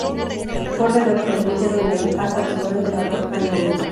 Fue ordenado presbítero el en la Catedral de la Almudena.